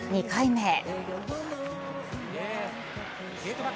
２回目。